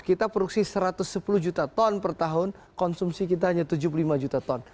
kita produksi satu ratus sepuluh juta ton per tahun konsumsi kita hanya tujuh puluh lima juta ton